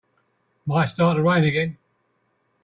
Might start to rain again.